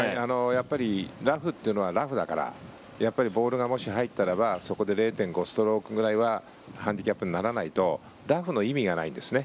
やっぱりラフというのはラフだからボールがもし入ったらばそこで０．５ストロークくらいはハンディキャップにならないとラフの意味がないんです。